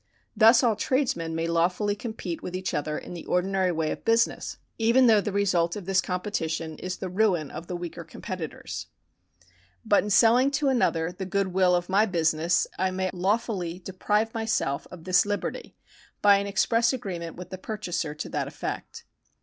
Thus all trades men may lawfully compete with each other in the ordinary way of business, even though the result of this competition is the ruin of the weaker competitors. But in selling to another the good will of my business I may lawfully deprive §81] THE KINDS OF LEGAL RIGHTS 205 myself of this liberty by an express agreement with the pur chaser to that effect.